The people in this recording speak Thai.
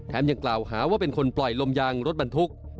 ยังกล่าวหาว่าเป็นคนปล่อยลมยางรถบรรทุก